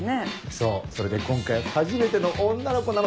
そうそれで今回初めての女の子なの。